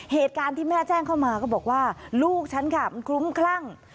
เหตุการณ์ที่แม่แจ้งเข้ามาก็บอกว่าลูกฉันค่ะมันคลุ้มคลั่ง